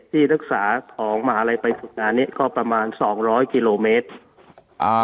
ที่รักษาของมหาลัยไปฝึกงานเนี้ยก็ประมาณสองร้อยกิโลเมตรอ่า